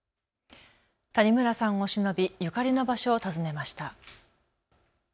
谷村さんをしのびゆかりの場所を訪ねました。